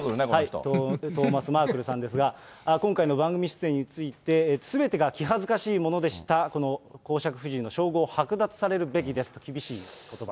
トーマス・マークルさんですが、今回の番組出演について、すべてが気恥ずかしいものでした、この公爵夫人の称号を剥奪されるべきですと、厳しいことば。